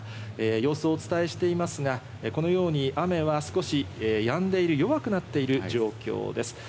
様子をお伝えしていますが、このように雨は少しやんでいる、弱くなっている状況です。